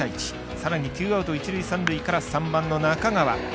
さらにツーアウト、一塁、三塁から３番の中川。